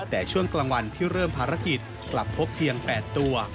แต่ช่วงกลางวันที่เริ่มภารกิจกลับพบเพียง๘ตัว